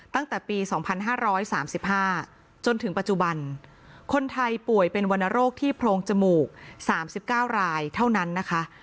ตั้งแต่ปี๒๕๓๕จนถึงปัจจุบันคนไทยป่วยเป็นวรรณโรคที่โพรงจมูก๓๙รายเท่านั้นนะคะ